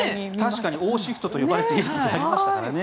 確かに王シフトと呼ばれている時がありましたからね。